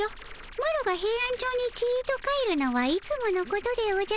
マロがヘイアンチョウにちと帰るのはいつものことでおじゃる。